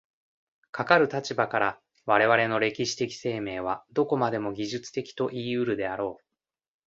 かかる立場から、我々の歴史的生命はどこまでも技術的といい得るであろう。